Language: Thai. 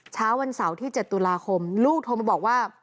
เช้าวันเสาร์ที่๗ตุลาคมลูกโทรมาบอกว่า